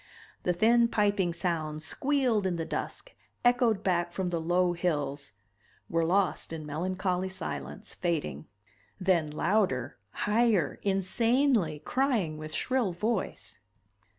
The thin piping sounds squealed in the dusk, echoed back from the low hills, were lost in melancholy silence, fading. Then louder, higher, insanely, crying with shrill voice.